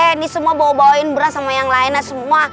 eh ini semua bawa bawain beras sama yang lainnya semua